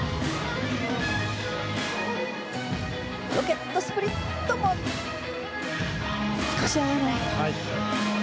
ロケットスプリットも少し合わない。